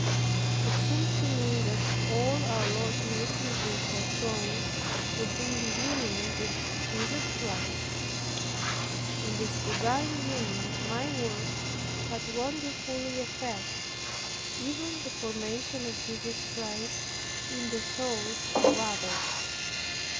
It seemed to me that all our Lord made me do for souls, would be in union with Jesus Christ. In this divine union my words, had wonderful effect, even the formation of Jesus Christ in the souls of others.